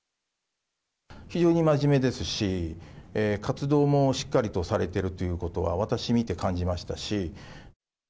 非常にまじめですし、活動もしっかりとされているということは、私、見て感じましたし。